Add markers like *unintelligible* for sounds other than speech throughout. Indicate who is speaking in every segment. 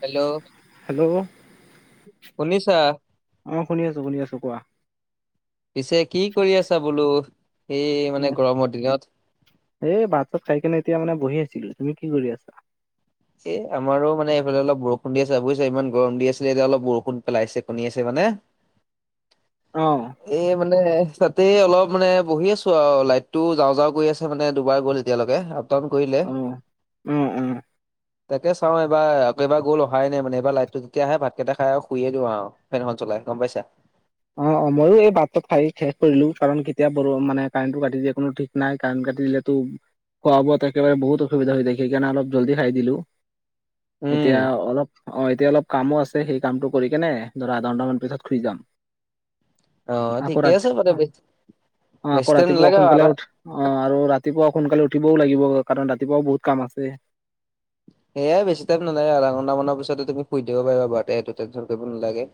Speaker 1: Hello
Speaker 2: hello
Speaker 1: শুনিছা?
Speaker 2: অ', শুনি আছো, শুনি আছো কোৱা?
Speaker 1: পিছে কি কৰি আছা বোলো এই মানে
Speaker 2: উম,
Speaker 1: গৰমৰ দিনত?
Speaker 2: এই ভাত ছাত খাই কিনে এতিয়া মানে বহি আছিলো, তুমি কি কৰি আছা?
Speaker 1: এ, আমাৰো মানে এইফালে অলপ বৰষুণ দি আছে বুজিছা ইমান গৰম দি আছিলে এতিয়া অলপ বৰষুণ পেলাইছে কণীয়াইছে মানে
Speaker 2: অ
Speaker 1: এই মানে মানে তাতেই অলপ মানে বহি আছো আৰু, লাইটো যাওঁ যাওঁ গৈ আছে মানে দুবাৰ গ'ল এতিয়ালৈকে। তন কৰিলে
Speaker 2: অ', অ', অ'।
Speaker 1: তাকে চাওঁ এইবাৰ আকৌ এবাৰ গ'ল অহাই নাই মানে এইবাৰ লাইটটো যেতিয়া আহে ভাতকেইটা খাই আৰু শুইে দিওঁ আৰু। ফেনখন চলাই গ'ম পাইছা।
Speaker 2: অ', অ, মইও এই ভাতটো খাই শেষ কৰিলো, কাৰণ কেতিয়া ব মানে কাৰেণ্টটো কাটি দিয়ে কোনো ঠিক নাই কাৰেণ্ট কাটি দিলেতো খোৱা বোৱাত একেবাৰে বহুত অসুবিধা হৈ থাকে, সেইকাৰণে অলপ জল্দি খাই দিলো।
Speaker 1: উম
Speaker 2: এতিয়া অলপ অ, এতিয়া অলপ কামো আছে সেই কামটো কৰি কেনে ধৰা আধা ঘন্টামানৰ পিছত শুৱই যাম।
Speaker 1: অ
Speaker 2: আকৌ
Speaker 1: ঠিকে আছে
Speaker 2: ৰাতি
Speaker 1: বাৰু
Speaker 2: অ,
Speaker 1: বেছি
Speaker 2: অ',
Speaker 1: বেছি
Speaker 2: আকৌ
Speaker 1: টাইম
Speaker 2: ৰাতিপুৱা
Speaker 1: নালাগে আৰু আধা
Speaker 2: সোনকালে উঠ অ, আৰু ৰাতি ৰাতিপুৱা সোনকালে উঠিবও লাগিব, কাৰণ ৰাতিপুৱাও বহুত কাম আছে।
Speaker 1: সেয়াই বেছি টাইম নালাগে আধঘণ্টা মানৰ পিছতে তুমি শুই দিব পাৰিবা, বাৰুতে সইটো টেনশ্যন কৰিব নালাগে।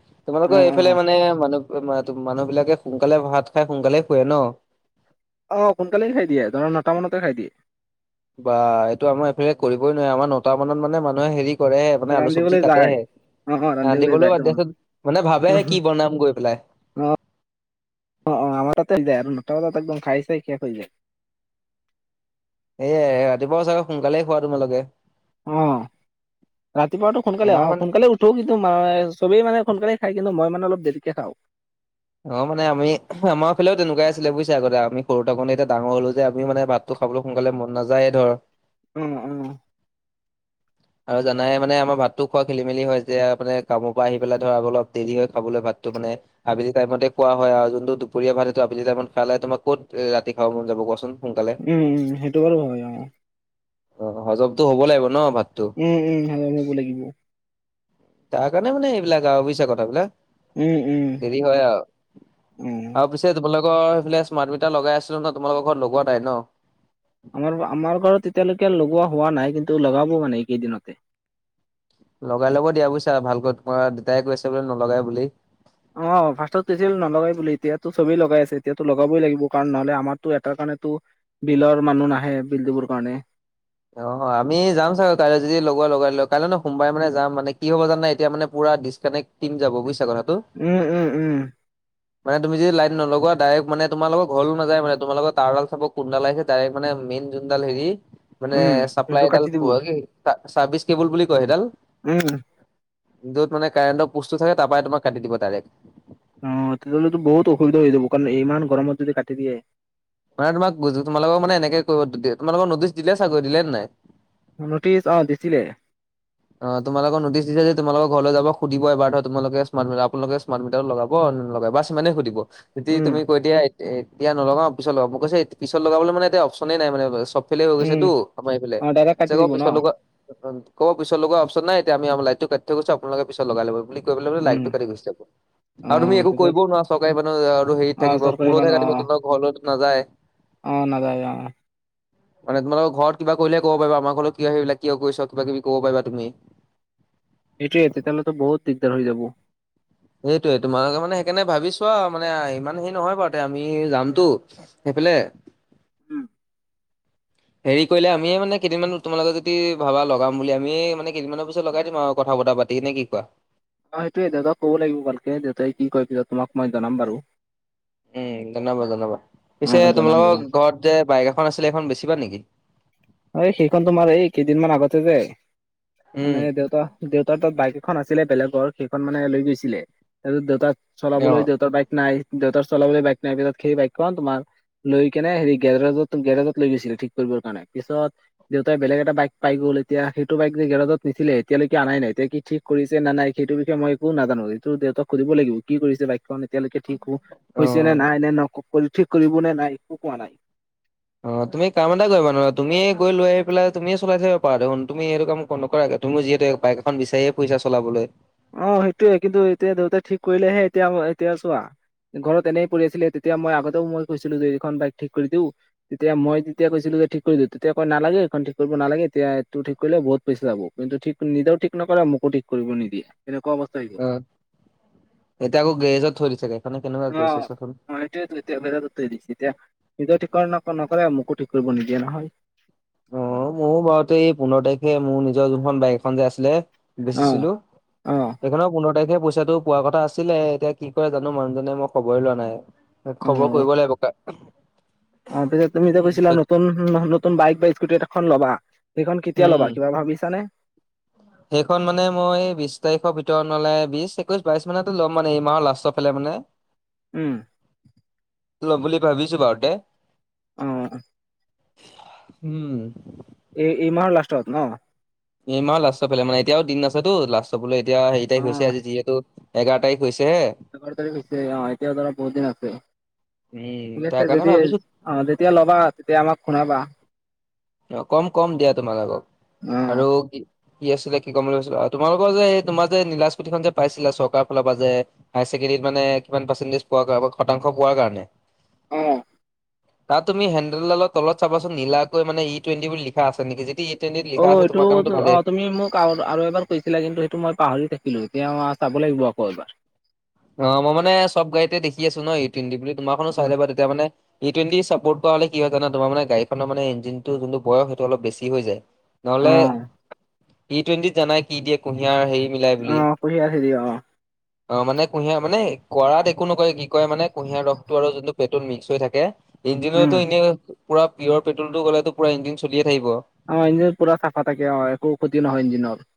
Speaker 2: অ
Speaker 1: তোমালোকৰ
Speaker 2: অ
Speaker 1: এইফালে মানে মানুহ, মানুহ বিলাকে সোনকালে ভাত খাই সোনকালে শুৱে ন?
Speaker 2: অ, সোনকালে খাই দিয়ে ধৰা নটা মানতে খাই দিয়ে।
Speaker 1: বা এইটো আমাৰ এইফালে কৰিবই নোৱাৰে, আমাৰ নটা মানত মানে মানুহে হেৰি কৰেহে মানে আলু চব্জি
Speaker 2: ৰান্ধিবলৈ যায়
Speaker 1: কাটেহে।
Speaker 2: অ অ ৰান্ধিবলৈ যায়
Speaker 1: ৰাধিবলৈ
Speaker 2: তোমালোক।
Speaker 1: বাদদেচোন মানে ভাবেহে কি বনাম গৈ পেলাই।
Speaker 2: অ', অ' আমাৰ তাতে হৈ যায় আৰু নটা বজাত একদম খাই চাই শেষ হৈ যায়।
Speaker 1: এয়াই ৰাতিপুৱাও চাগে সোনকালেই খোৱা তোমালোকে।
Speaker 2: অ' ৰাতিপুৱাটো সোনকালে
Speaker 1: আমাৰ
Speaker 2: অ'
Speaker 1: মানে
Speaker 2: সোনকালে উঠ ত' কিন্তু মাই চবেই মানে সোনকালে খাই কিন্তু মই মানে অলপ দেৰিকে খাওঁ।
Speaker 1: অ' মানে আমি আমাৰ ফালেও তেনেুৱাই আছিলে বুইচা, আগতে আমি সৰু থকোতে এতিয়া ডাঙৰ হ'লো যে আমি মানে ভাত ত' খাবলৈ সোনকালে মন নাযায়েই ধৰ।
Speaker 2: উম, উম।
Speaker 1: আৰু জানাই মানে আমাৰ ভাতটো খোৱা খেলি মেলি হয় যে আ, মানে কামৰপৰা আহি পেলাই ধৰ অলপ দেৰি হৈ খাবলৈ ভাতটো মানে। আবেলি টাইমতে খোৱা হয় আৰু যোনটো দুপৰীয়া ভাতটো আবেলি টাইমত খাই তোমাক ক'ত ৰাতি খাব মন যাব কোৱাচোন। সোনকালে।
Speaker 2: উম, উম, সেইটো বাৰু হয় অ'।
Speaker 1: অ' হজমতো হ'ব লাগিব ন' ভাত
Speaker 2: উম, উম, হাল হ'ব লাগিব।
Speaker 1: তাৰ কাৰণে মানে এইবিলাক, বুইচা কথাবিলাক।
Speaker 2: উম, উম।
Speaker 1: দেৰি হয় আৰু।
Speaker 2: উম
Speaker 1: আৰু পিছে তোমোকৰ সেইফালে স্মাৰ্ট মিটাৰ লগাই আছিলো ন', তোমালোকৰ ঘৰত লগোৱা নাই ন'?
Speaker 2: আমাৰ, আমাৰ ঘৰত এতিয়ালৈকে লগোৱা হোৱা নাই কিন্তু লগাব মানে এই কেইদিনতে।
Speaker 1: লগাই ল'ব দিয়া বুইছা ভালকৈ, তোমাৰ দেউতাই কৈ আছে বোলে নলগাই বুলি?
Speaker 2: অ' ফাৰ্ষ্টট কৈছিল নলগাই বুলি, এতিয়াতো চবেই লগাই আছে, এতিয়াতো লগাবই লাগিব কাৰণ নহ'লে আমাৰটো এটাৰ কাৰণেতো বিলৰ মানুহ নাহে, বিল দিবৰ কাৰণে।
Speaker 1: অ' আমি যাম চাগে কাইলৈ যদি লগোৱা লগাই লোৱা। কাইলৈ নহয় সোমবাৰে মানে যাম মানে কি হ'ব জানা এতিয়া মানে পোৰা ডিচকানেক্ট তিম যাব বুজিছা কথাটো?
Speaker 2: উম, উম, উম।
Speaker 1: মানে তুমি যদি লাইট নলগোৱা ডাইৰেক্ট মানে তোমালোকৰ ঘৰৰলৈও নযায় মানে, তোমালোকৰ তাঁৰডাল চাব কোনডাল আহিছে ডাইৰেক্ট মানে মেইন যোনডাল হেৰি, মানে
Speaker 2: উম সেইটো কাটি
Speaker 1: চাপ্লাইডাল
Speaker 2: দিব
Speaker 1: পো কি চা চাৰ্ভিচ কেবুল বুলি কয় সেইডাল।
Speaker 2: উম।
Speaker 1: য'ত মানে কাৰেণ্টৰ পুষ্টটো থাকে তাৰপাই তোমাক কাটি দিব ডাইৰেক্ট।
Speaker 2: অ' তেতিয়াহ'লে বহুত অসুবিধা হৈ যাব কাৰণ ইমান গৰমত যদি কাটি দিয়ে
Speaker 1: মানে তোমাক তোমালোকক মানে এনেকে কৰিব, তোমালোকক নটিচ দিলে চাগৈ, দিলেনে নাই?
Speaker 2: নটিচ অ' দিছিলে।
Speaker 1: অ' তোমালোকৰ নটিছ দিছে যদি তোমালোকৰ ঘৰলৈ যাব সুধিব এবাৰ ধৰা তোমালোকে স্মাৰ্ট মিটাৰ আপোনালোকে স্মাৰ্ট মিটাৰটো লগাব নে নলগায় বাচ ইমানেই সুধিব। যদি
Speaker 2: উম
Speaker 1: তুমি কৈ দিয়া এ, এতিয়া নলাগাও পিছত লগাম। মই কৈছোঁ পিছত লগাবলৈ মানে এতিয়া অপশনেই নাই মানে চব ফালে হৈ
Speaker 2: উম
Speaker 1: গৈছেতো আমাৰ এইফালে,
Speaker 2: অ ডাইৰেক্ট কাটি
Speaker 1: তেতিয়া ক'ব
Speaker 2: দিব ন
Speaker 1: পিছত লগোৱা, কক পিছত লগোৱা অপশন নাই এতিয়া আমি আমাৰ লাইটো কাটি থৈ গৈছোঁ আপোনালোকে পিছত লগাই ল'ব, বুলি কৈ পেলাই
Speaker 2: উম
Speaker 1: লাইটটো কাটি গুচি যাব।
Speaker 2: অ
Speaker 1: আৰু তুমি একো
Speaker 2: তেতিয়া
Speaker 1: কৰিবও নোৱাৰা, চৰকাৰী মানুহ আৰু হেৰিত
Speaker 2: অ
Speaker 1: থাকিব
Speaker 2: চৰকাৰী
Speaker 1: পুলতহে
Speaker 2: মানুহ
Speaker 1: কাটিব
Speaker 2: অ
Speaker 1: তোমাক। ঘৰলৈতো নাযায়।
Speaker 2: অ' নাযায় অ'।
Speaker 1: মানে তোমালোকৰ ঘৰত কিবা কৰিলেহে ক'ব পাৰিবা, আমাৰ ঘৰতনো কিয় আহি এইবিলাক কিয় কৰিছ, কিবা কিবি ক'ব পাৰিবা তুমি।
Speaker 2: এইটোৱে, তেতিয়াহ'লেতো বহুত দিগদাৰ হৈ যাব।
Speaker 1: সেইটোৱে তোমালোকে মানে সেইকাৰণে ভাবি ছোৱা আৰু মানে ইমান হেৰি নহয় বাৰুতে, আমি যামতো। সেইফালে
Speaker 2: উম
Speaker 1: হেৰি কৰিলে আমিয়েই মানে কেইদিনমান তোমালোকে যদি ভাবা লগাম বুলি, আমিয়েই মানে কেইদিনমানৰ পিছত লগাই দিম আৰু কথা বৰ্তা পাত দে নেকি কোৱা?
Speaker 2: অ' সেইটোয়ে দেউতাক ক'ব লাগিব ভালকে, দেউতাই কি কয় পিছত তোমাক মই জনাম বাৰু।
Speaker 1: উম' জনাবা জনাবা।
Speaker 2: অ
Speaker 1: পিছে
Speaker 2: জনাম জনাম
Speaker 1: তোমালোকৰ ঘৰত যে বাইক এখন আছিলে সেইখন বেচিবা নেকি?
Speaker 2: অ' সেইখন তোমাৰ এই কেইদিনমান আগতে যে,
Speaker 1: উম
Speaker 2: মানে দেউতা দেউতাহতৰ বাইক এখন আছিলে, বেলেগৰ সেইখন মানে লৈ গৈছিলে। তাৰপিছত, দেউতাক
Speaker 1: অ
Speaker 2: চলাবলৈ দেউতাৰ বাইক নাই। দেউতাৰ চলাবলৈ বাইক নাই। তাৰপিছত, সেই বাইকখন তোমাৰ লৈ কেনে হেৰি গেৰেজ গেৰেজত লৈ গৈছিলে ঠিক কৰিবৰ কাৰণে, পিছত দেউতাই বেলেগ এটা বাইক পাই গ'ল। এতিয়া, সেইটো বাইক লৈ গেৰেজত নিছিলে। এতিয়ালৈকে আনাই নাই তে কি ঠিক কৰিছে নে নাই সেইটোৰ বিষয় মই একো নাজানো। এইটো দেউতাক সুধিব লাগিব, কি কৰিছে বাইকখন। এতিয়ালৈকে ঠিক হৈ
Speaker 1: অ
Speaker 2: হৈছে নে নাই, নে ন ঠিক কৰিব নে নাই একো কোৱা নাই।
Speaker 1: অ' তুমি কাম এটা কৰিবা নহ'লে, তুমিয়ে গৈ লৈ আহি পেলাই তুমিয়ে চলাই থাকিব পাৰা দেখোন। তুমি এইটো কাম নকৰা কিয়। তুমি যিহেতু বাইক এখন বিচাৰিয়ে ফুৰিচা চলাবলৈ।
Speaker 2: অ' সেইটোয়ে কিন্তু এতিয়া দেউতাই ঠিক কৰিলেহে এতিয়া মই এতিয়া চোৱা। ঘৰত এনেই পৰি আছিলে। তেতিয়া মই আগতেও মই কৈছিলোঁ যে এইখন বাইক ঠিক কৰি দিওঁ। তেতিয়া মই যেতিয়া কৈছিলোঁ যে, ঠিক কৰি দিওঁ। তেতিয়া কয় নালাগে, এইখন ঠিক কৰিব নালাগে। এতিয়া তুমি ঠিক কৰিলে বহুত পইচা যাব। কিন্তু ঠিক নিজেও ঠিক নকৰে আৰু মোকো ঠিক কৰিব নিদিয়ে তেনেকুৱা অৱস্থা। হৈ গ'ল
Speaker 1: অ'এতিয়া আকৌ গ্ৰেজত থৈ দিছে গাড়ীখনে কেনেকুৱা
Speaker 2: অ
Speaker 1: কৰিছে চোৱাচোন।
Speaker 2: অ এতিয়া নিজে গেৰেজত থৈ দিছে। এতিয়া নিজেও ঠিক নক নকৰে। মোকো ঠিক কৰিব নিদিয়ে নহয়।
Speaker 1: অ' ময়ো বাৰুতে এই পোন্ধৰ তাৰিখে, মোৰ নিজৰ যোনখন বাইক এখন যে আছিলে।
Speaker 2: অ
Speaker 1: বেচিছিলো।
Speaker 2: অ
Speaker 1: এইখনো পোন্ধৰ তাৰিখে পইচাটো পোৱা কথা আছিলে। এতিয়া কি কৰে জানো মানুহজনে মই খবৰে লোৱা নাই।
Speaker 2: অ
Speaker 1: খবৰ কৰিব লাগিব কা
Speaker 2: অ' পিছে তুমি যে কৈছিলা নতুন নতুন বাইক বা স্কুটি এখন ল'বা। সেইখন কেতিয়া ল'বা,
Speaker 1: উম
Speaker 2: কিবা ভাবিছানে?
Speaker 1: সেইখন মানে মই বিশ তাৰিখৰ ভিতৰত নহ'লে বিশ, একৈচ, বাইচ মানতো ল'ম মানে এই মাহৰ লাষ্টৰ ফালে মানে। *inaudible*
Speaker 2: উম।
Speaker 1: ল'ম বুলি ভাবিছোঁ বাৰু তে।
Speaker 2: উম।
Speaker 1: উম।
Speaker 2: এই এই মাহৰ লাষ্টত ন।
Speaker 1: এইমাহ লাষ্টৰ ফালে মানে, এতিয়া দিন আছেতো লাষ্ট পিলে এতিয়া হেৰি
Speaker 2: অ
Speaker 1: তাৰিখ হৈছে আজি যিহেতু। এঘাৰ তাৰিখ হৈছে হে।
Speaker 2: এঘাৰৰ তাৰিখ হৈছে অ' এতিয়া ধৰা বহুত দিন আছে
Speaker 1: উম
Speaker 2: ঠিক
Speaker 1: তাৰ
Speaker 2: আছে।
Speaker 1: কাৰণে
Speaker 2: যদি
Speaker 1: ভাবিছো
Speaker 2: অ' যেতিয়া ল'বা তেতিয়া আমাক খোনাবা।
Speaker 1: অ' কম কম দিয়া তোমালোকক
Speaker 2: অ
Speaker 1: আৰু কি কি আছিলে কি কম বুলি ভাবিছিলোঁ কি কি আছিলে কি কম বুলী ভাবিছিলোঁ অ' তোমালোকৰ যে এই তোমাৰ যে নীলা ইষ্কুটিখন যে পাইছিলা চৰকাৰৰ ফালৰ পৰা যে হায় ছেকেণ্ডেৰী মানে কিমান পাৰ্চেণ্টেজ পোৱাৰ কাৰণে শতাংশ পোৱাৰ কাৰণে
Speaker 2: অ'
Speaker 1: তাত তুমি হেণ্ডেলডালৰ তলত চাবাছোন নীলাকৈ মানে ই টুৱেন্টি লিখা আছে নেকি যদি টুৱেণ্টিত লিখা
Speaker 2: অ'
Speaker 1: আছে
Speaker 2: এইটো
Speaker 1: তোমাৰ কাৰণেতো ভালেই।
Speaker 2: অ' তুমি মোক। আৰু এবাৰ কৈছিলা। কিন্তু সেইটো মই পাহৰি থাকিলোঁ এতিয়া চাব লাগিব আকৌ এবাৰ।
Speaker 1: অ' মই মানে চ'ব গাড়ীতে দেখি আছোঁ ন ই টুৱেন্টি বুলি তোমাৰখনো চাই লৱা তেতিয়া মানে। ই টুৱেন্টি চাপত কৰা হ'লে কি হয় জানা তোমাৰ মানে গাড়ীখনৰ মানে ইঞ্জিন টো বয়স অলপ বেছি হৈ যায়।
Speaker 2: অ
Speaker 1: নহ'লে ই টুৱেণ্টি জানাই কি দিয়ে। কুঁহিয়াৰ হেৰি মিলাই
Speaker 2: অ
Speaker 1: বুলি।
Speaker 2: কুঁহিয়াৰ হেৰি অ
Speaker 1: অ' মানে কুঁহিয়াৰ মানে কৰাত একো নকয় কি কয় মানে কুঁহিয়াৰ ৰসটো আৰু যোনটো পেট্ৰল মিক্স হৈ থাকে
Speaker 2: উম
Speaker 1: ইঞ্জিনতো এনে পুৰা পিয়ৰ পেট্ৰলটো গ'লে পুৰা ইঞ্জিন চলিয়ে থাকিব।
Speaker 2: অ' ইঞ্জিন পুৰা চাফা থাকে অ' একো ক্ষতি নহয় ইঞ্জিনত।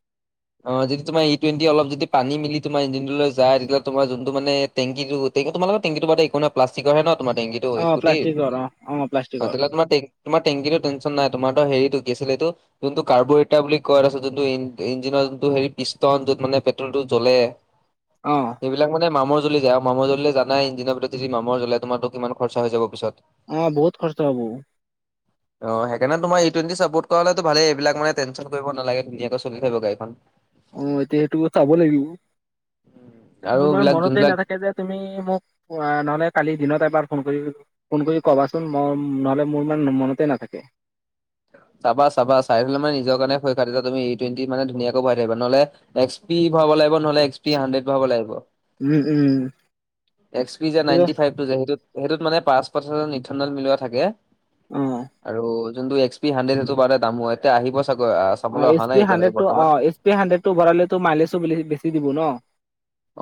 Speaker 1: অ' যদি তোমাৰ ই টুৱেণ্টি অলপ যদি পানী মিলি তোমাৰ ইঞ্জিনটোলৈ যায়। তেতিয়া হ'লে তোমাৰ যোনটো মানে টেংকিটো তোমাৰলোকৰ টেংকি একো নহয় প্লাষ্টিকৰহে ন তোমাৰ টেংকীটো
Speaker 2: অ
Speaker 1: স্কুটি
Speaker 2: প্লাষ্টিকৰ অ অ প্লাষ্টিকৰ
Speaker 1: ফাটিলে তোমাৰ টেং তোমাৰ টেংকিটো টেনচন নাই তোমাৰ হৰি টো কিআছিল এইটো যোনটো কাৰ্বৰেটাৰ বুলি কয় টাৰ পিছত এই ইন ইন নৰ যোনটো হেৰি পিষ্টন য'ত মানে পেট্ৰলতটো জ্বলে
Speaker 2: অ
Speaker 1: সেইবিলাক মানে মামৰ জ্বলি যায় আৰু। মামৰ জ্বলিলে জানাই ইজিনৰ ভিতৰত যদি মামৰ জ্বলাই তোমাৰো কিমান খৰচা হৈ জাৱ পিছত।
Speaker 2: অ' বহুত কষ্ট হ'ব।
Speaker 1: অ' সেইকাৰনে তোমাৰ ই টুৱেন্তী চাপৰ্ট কৰা হ'লে ভালেই, এইবিলাক মানে টেনশ্যন কৰিব নালাগে ধুনাকৈ চলি যাব গাড়ী। *unintelligible*
Speaker 2: অ' এতিয়া সেইটো চাব লাগিব,
Speaker 1: আৰু
Speaker 2: মোৰ ইমান
Speaker 1: এইবিলাক
Speaker 2: মনতে
Speaker 1: যোনবিলাক
Speaker 2: নাথাকে যে। তুমি মোক অ' নহ'লে কালি দিনত এবাৰ ফোন কৰি ফোন কৰি কবাচোন, মই নহ'লে মোৰ ইমান মনতে নাথাকে।
Speaker 1: চাবা চাবা চাই থ'লে মানে নিজৰ কাৰণে ভয় খোৱা তেতিয়া তুমি ই টুৱেটি মানে ধুনীয়াকৈ ভৰাই থাকিবা। নহ'লে এক্স পি ভাৰাৱ লাগিব নহ'লে এক্স পি হাণ্ড্ৰড ভাৰাৱ লাগিব।
Speaker 2: Um um.
Speaker 1: এক্স পি যে
Speaker 2: অ',
Speaker 1: নাইনটি ফাইভ টো যে সেইটো সেইটোত মানে পাচ পাৰ্চেন্ত ইথানল মিলোৱা থাকে,
Speaker 2: অ',
Speaker 1: আৰু যোনটো এক্স পি হাণ্ড্ৰড সেইটো বাৰু দামো হ'ব, এতিয়া আহিব চাগৈ।
Speaker 2: অ'
Speaker 1: চাবলৈ
Speaker 2: এচ
Speaker 1: অহা নাই
Speaker 2: পি
Speaker 1: এতিয়ালৈকে
Speaker 2: হাণ্ড্ৰডটো
Speaker 1: বৰ্তমান।
Speaker 2: অ' এচ পি হাণ্ড্ৰেড টো ভৰালে তো মাইলেজটো বেছি দিব ন?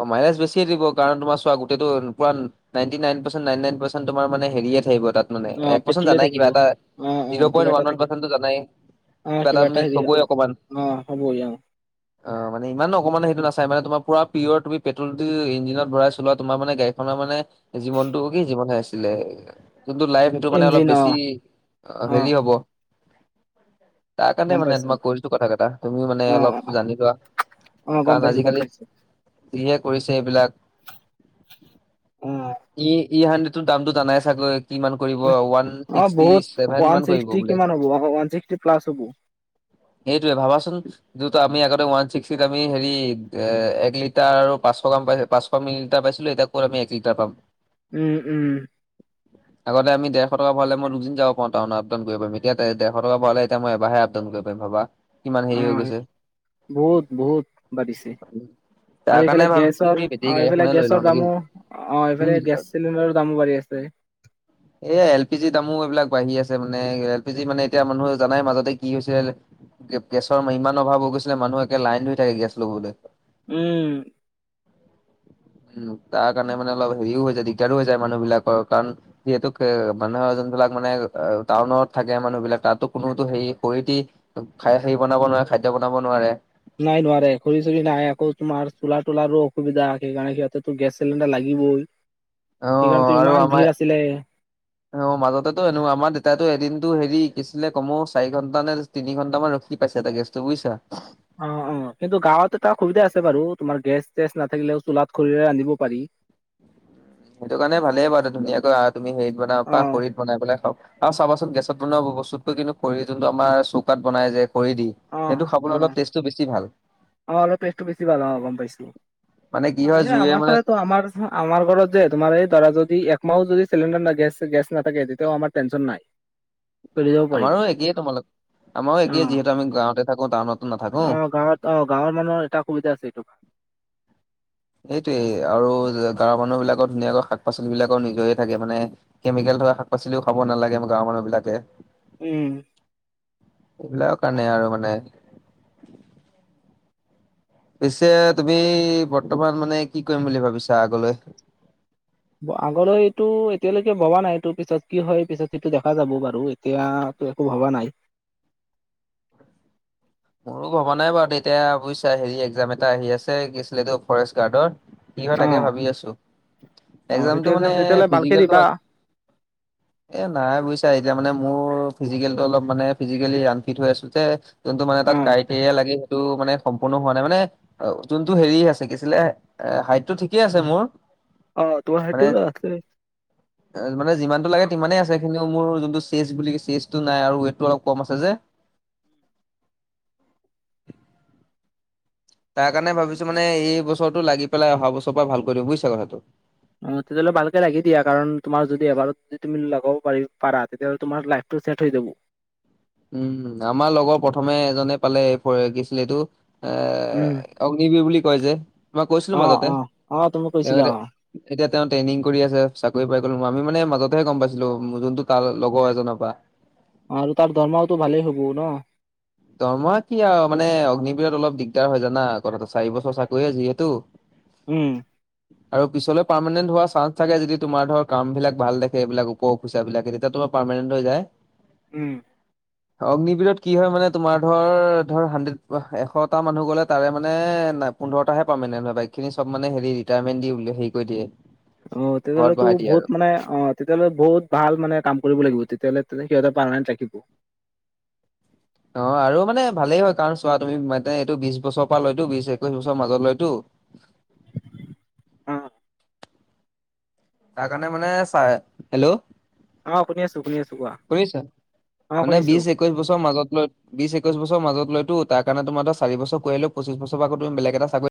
Speaker 1: অ' মাইলেজ বেছিয়ে দিব, কাৰণ তোমাৰ চোৱা গোটেইটো পুৰা ন ninety nine percent nine percent তোমাৰ মানে হেৰিয়ে থাকিব তাত।
Speaker 2: অ',
Speaker 1: এক পাৰ্চেণ্ট
Speaker 2: পেট্ৰলে
Speaker 1: জানাই
Speaker 2: থাকিব।
Speaker 1: কিবা এটা
Speaker 2: অ',
Speaker 1: জিৰ
Speaker 2: অ', কিবা
Speaker 1: পয়েন্ত
Speaker 2: এটা
Speaker 1: 'ওৱান ওৱান টো
Speaker 2: থাকে
Speaker 1: পাৰ্চেণ্ট জানাই
Speaker 2: অ' কিবা এটা
Speaker 1: মিক্স
Speaker 2: হেৰি
Speaker 1: হ'বই
Speaker 2: অ'
Speaker 1: অকণমান
Speaker 2: অ' হ'ব অ'
Speaker 1: অ' মানে ইমান অকমানো সেইটো নাছাই, মানে তোমাৰ পুৰা পিয়ৰ তুমি পেট্ৰলটো ইঞ্জিনত ভৰাই চলোৱা তোমাৰ গড়ীখনৰ মানে জীৱনটো কি জীৱনহে আছিলে যোনটো লাইফ সেইটো মানে অলপ
Speaker 2: ইঞ্জিন
Speaker 1: বেছি
Speaker 2: অ', অ',
Speaker 1: হেৰি হব। তাৰ কাৰণে
Speaker 2: গম
Speaker 1: মানে
Speaker 2: পাইছো
Speaker 1: তোমাক কৈছো কথা কেইটা, তুমি মানে
Speaker 2: অ',
Speaker 1: অলপ
Speaker 2: অ',
Speaker 1: জানি লোৱা।
Speaker 2: অ' গ'ম
Speaker 1: কাৰণ
Speaker 2: পাইছো গ'ম
Speaker 1: আজিকালি
Speaker 2: পাইছো।
Speaker 1: যিহে কৰিছে এইবিলাক
Speaker 2: অ',
Speaker 1: ই ই হাণ্ড্ৰেড দামটো জানাই চাগৈ কিমান ওৱান
Speaker 2: অ',
Speaker 1: ছিক্সটি
Speaker 2: বহুত
Speaker 1: চেভেন
Speaker 2: ওৱান
Speaker 1: মান পৰিব
Speaker 2: ছিক্সটি
Speaker 1: বোলে।
Speaker 2: কিমান হ'ব ওৱান ছিক্সটি প্লাছ হ'ব
Speaker 1: এইটোৱে ভাবাচোন, যিটো আমি আগতে ওৱান ছিক্সটিত আমি হেৰি এক লি টাৰ আৰু পাঁচশ গ্ৰাম পাঁচশ মিলি লিটাৰ পাইছিলো এতিয়া ক'ত আমি এক লিটাৰ পাম।
Speaker 2: উম, উম।
Speaker 1: আগতে আমি দেৰশ টকা ভৰালে মই দুদিন যাব পাৰো টাউনলৈ আপ ডাউন কৰিব পাৰিম। এতিয়া দেৰশ টকা ভৰালে এতিয়া এবাৰহে আপ প ডাউন কৰিব পাৰিম ভাবা, কিমান হেৰি হৈ
Speaker 2: অ',
Speaker 1: গৈছে।
Speaker 2: বহুত, বহুত বাঢ়িছে।
Speaker 1: তাৰ
Speaker 2: আৰু
Speaker 1: কাৰণে
Speaker 2: এইফালে
Speaker 1: ভাবিছো
Speaker 2: গেছৰ
Speaker 1: সেই বেটেৰী
Speaker 2: আৰু
Speaker 1: গাড়ী
Speaker 2: এইফালে
Speaker 1: এখনে লৈ
Speaker 2: গেছৰ
Speaker 1: লওঁ নেকি
Speaker 2: দামো অ' এইফালে
Speaker 1: উম
Speaker 2: গেছ চিলিণ্ডাৰৰ দামো বাঢ়ি আছে।
Speaker 1: *inaudible* এ, এল পি জি দামো এইবিলাক বাঢ়ি আছে মানে এল পি জি মানে এতিয়া মানুহে জানাই মাজতে কি হৈছিল গেছৰ ইমান অভাৱ হৈ গৈছিলে মানুহ একে লাইন ধৰি থাকে গেছ ল'বলৈ।
Speaker 2: উম,
Speaker 1: উম, তাৰ কাৰণে মানে অলপ হেৰিও হৈ যায় দিগদাৰো হৈ যায় মানুহ বিলাকৰ কাৰণ যিহেতু মানুহৰ যোনবিলাক মানে টাউনত থাকে মানুহ বিলাক তাতো কোনো হেৰি খৰিদি *unintelligible* বনাব নোৱাৰে খাদ্য বনাব নোৱাৰে।
Speaker 2: নাই নোৱাৰে খৰি চৰি-নাই আকৌ তোমাৰ চ'লাৰ-ত'লাৰো অসুবিধা সেইকাৰণে সিহঁতেতো গেছ চিলিণ্ডাৰ লাগিবই।
Speaker 1: *inaudible*
Speaker 2: সেইকাৰণে তু
Speaker 1: আৰু
Speaker 2: ইমান
Speaker 1: আমাৰ
Speaker 2: ভিৰ আছিলে।
Speaker 1: অ', মাজতেতো এনো আমাৰ দেতাইটো এদিনতটো হেৰি কি আছিলে কমো চাৰি ঘন্টা নে তিনি ঘণ্টামান ৰখি পাইছে এটা গেছটো বুইছা?
Speaker 2: অ, অ, কিন্তু গাঁৱত এটা সুবিধা আছে বাৰু তোমাৰ গেছ-চেছ নাথাকিলেও চোলাত খৰিৰে ৰান্ধিব পাৰি।
Speaker 1: সেইটো কাৰণে ভালেইে বাৰু ধুনীয়াকৈ তুমি হেৰিত বনাব
Speaker 2: অ
Speaker 1: পাৰা খৰিত বনাই পেলাই খাও আৰু চাবাচোন গেছত বনোৱা বস্তুতকৈ কিন্তু খৰি যোনটো আমাৰ চৌকাত বনাই যে খৰি দি সেইটো খাবলৈ
Speaker 2: অ-অ-অ
Speaker 1: অলপ টেষ্টটো বেছি ভাল
Speaker 2: অলপ টেষ্টটো বেছি ভাল অ' গম পাইছো।
Speaker 1: মানে কি
Speaker 2: এ,
Speaker 1: হয় জুইয়ে
Speaker 2: আমাৰ
Speaker 1: মানে
Speaker 2: ফালেটো আমাৰ আমাৰ ঘৰত যে তোমাৰ এই দৰা যদি একমাহো যদি চিলিণ্ডাৰ ন গেছ নাথাকে তেতিয়াও আমাৰ টেনশ্যন নাই। কৰি যাব পাৰিব।
Speaker 1: আমাৰো একেইে তোমালোক *inaudible* আমাৰো একেইে
Speaker 2: অ'।
Speaker 1: যিহেতু আমি গাঁৱতে থাকো টাউনত।
Speaker 2: অ গাঁৱত অ গাঁৱৰ মানুহৰ এটা সুবিধা আছে এইটো।
Speaker 1: এইটোৱেই আৰু গাঁৱৰ মানুহ বিলাকৰ ধুনীয়াকৈ শাক পাচলি বিলাকৰ নিজৰে থাকে মানে কেমিকেল থকা শাক পাচলিও খাব নালাগে আমাৰ গাঁৱৰ মানুহ বিলাকে।
Speaker 2: উম,
Speaker 1: এইবিলাকৰ কাৰণে আৰু মানে। পিছে তুমি বৰ্তমান মানে কি কৰিম বুলি ভাবিছা আগলৈ?
Speaker 2: আগলৈ এইটো এতিয়ালৈকে ভবা নাইটো পিছত কি হয় পিছত সেইটো দেখা যাব বাৰু। এতিয়াা তো একো ভবা নাই।
Speaker 1: মোৰো ভবা নাই বাৰু তেতিয়া বুজিছা হেৰি এক্জাম এটা আহি আছে কি আছিলে এইটো ফৰেষ্ট গাৰ্ডৰ কি হয় তাকে
Speaker 2: অ',
Speaker 1: ভাবি আছো
Speaker 2: অ', সেইটো
Speaker 1: একজামটো মানে
Speaker 2: একজাম তেতিয়াহ'লে ভালকে দিবা।
Speaker 1: ফিজিকেলটো *inaudible* এ, নাই বুজিছা এতিয়া মানে মোৰ ফিজিকেলটো অলপ মানে ফিজিকেলি আনফিট হৈ আছো যে যোনটো মানে তাত
Speaker 2: অ',
Speaker 1: কাইটিয়ে লাগে সে টো মানে সম্পূৰ্ণ হোৱা নাই মানে অ' যোনটো হেৰি আছে, কি আছিলে হাইটটো ঠিকেই আছে মোৰ।
Speaker 2: অ' তোমাৰ
Speaker 1: মানে
Speaker 2: হাইটটো আছে।
Speaker 1: মানে যিমানটো লাগে সিমানেই আছে, কিন্তু মোৰ যোনটো চেচ বুলি চেচটো নাই আৰু ৱেটটো অলপ কম আছে যে। তাৰ কাৰণে ভাবিছো মানে এই বছৰটো লাগি পেলাই অহা বছৰ পৰা ভাল কৰি দিম বুজিছা কথাটো।
Speaker 2: অ' তেতিয়াহ'লে ভালকে লাগি দিয়া, কাৰণ তোমাৰ যদি এবাৰত যদি তুমি লগাব পাৰ পাৰা তেতিয়া হ'লে লাইফটো টো চেট হৈ যাব।
Speaker 1: উম, আমাৰ লগৰ প্ৰথমে এজনে পালে কি আছিলে এইটো
Speaker 2: উম,
Speaker 1: অগ্নিবীৰ বুলি কয় যে, মই কৈছিলো
Speaker 2: অ',
Speaker 1: মাজতে।
Speaker 2: অ', অ', তুমি
Speaker 1: তেওঁ
Speaker 2: কৈছিলা
Speaker 1: এতি
Speaker 2: অ',
Speaker 1: এতিয়া তেওঁ ট্ৰেইনিং কৰি আছে, চাকৰি পায় গ'ল। আমি মানে মাজতেহে গ'ম পাইছিলো যোনটো তাৰ লগৰ এজনৰ পৰা।
Speaker 2: আৰু তাৰ দৰমহাওটো ভালেই হ'ব।
Speaker 1: দৰমহা কি আৰু, মানে অগ্নিবিৰত অলপ দিগদাৰ হয় জানা কথাটো চাৰি বছৰ চাকৰিয়ে যিহেতু।
Speaker 2: উম।
Speaker 1: আৰু পিছলৈ পাৰ্মমানেণ্ট হোৱাৰ চাঞ্চ থাকে, যদি তোমাৰ ধৰ কামবিলাক ভাল দেখে এইবিলাক উপৰ অফিচাৰ বিলাকে, তেতিয়া তোমাৰ পাৰমানেন্ট হৈ যায়।
Speaker 2: উম।
Speaker 1: অগ্নিবিৰত কি হয় মানে তোমাৰ ধৰ, ধৰ হাড্ৰেড এশটা মানুহ গ'লে তাৰে মানে না পোন্ধৰটাহে পাৰমানেন্ট হয় বাকী খিনি চব মানে হেৰি ৰিটায়াৰমেট দি হেৰি কৰি দিয়ে।
Speaker 2: অ'
Speaker 1: ঘৰত
Speaker 2: তেতিয়াহ'লেতো
Speaker 1: বহাই দিয়ে
Speaker 2: বহুত
Speaker 1: আৰু।
Speaker 2: মানে অ' তেতিয়াহ'লে বহুত ভাল মানে কাম কৰিব লাগিব তেতিয়াহ'লে সিহঁতে পাৰমানেন্ট ৰাখিব।
Speaker 1: অ' আৰু মানে ভালেই হয় কাৰণ চোৱা তুমি মানে এইটো বিশ বছৰৰপৰা লয়তো, বিশ একৈশ বছৰৰ মাজত লয়তো।
Speaker 2: অ
Speaker 1: তাৰ কাৰণে মানে চাই, হেল্ল'।
Speaker 2: অ' শুনি আছোঁ, শুনি আছোঁ কোৱা। অ' শুনিছোঁ।
Speaker 1: একৈছ বছৰ মাজত লৈ বিছ একৈছ বছৰ মাজত লয়তো তাৰকাৰণে তোমাৰ ধৰ চাৰিছৰ কৰি আহিলেও পঁছিচ বছৰ বেলগ এটা চাকৰি